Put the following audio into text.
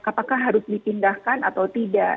apakah harus dipindahkan atau tidak